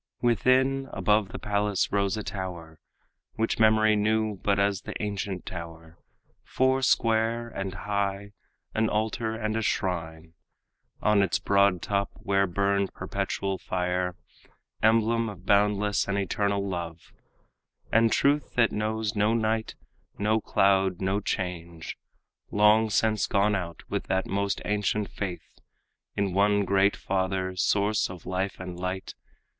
Within, above the palace rose a tower, Which memory knew but as the ancient tower, Foursquare and high, an altar and a shrine On its broad top, where burned perpetual fire, Emblem of boundless and eternal love And truth that knows no night, no cloud, no change, Long since gone out, with that most ancient faith In one great Father, source of life and light.